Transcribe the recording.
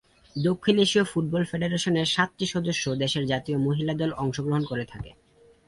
দক্ষিণ এশীয় ফুটবল ফেডারেশনের সাতটি সদস্য দেশের জাতীয় মহিলা দল অংশগ্রহণ করে থাকে।